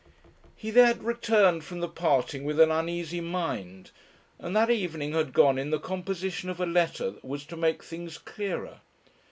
He had returned from the parting with an uneasy mind, and that evening had gone in the composition of a letter that was to make things clearer.